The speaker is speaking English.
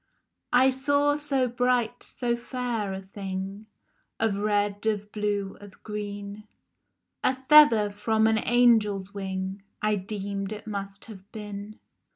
I SAW so bright, so fair a thing, Of red, of blue, of green, A feather from an angel's wing I deemed it must have been.